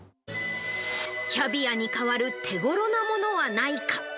キャビアに代わる手ごろなものはないか。